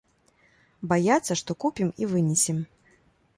Баяцца, што купім і вынесем.